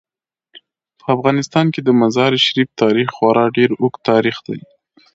په افغانستان کې د مزارشریف تاریخ خورا ډیر اوږد تاریخ دی.